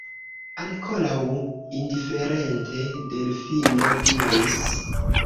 Ankoraŭ indiferente, Delfino diris: